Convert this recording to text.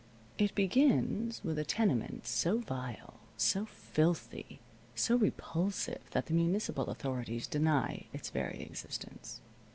It begins with a tenement so vile, so filthy, so repulsive, that the municipal authorities deny its very existence.